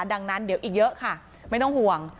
ดังนั้นเดี๋ยวอีกเยอะค่ะไม่ต้องห่วง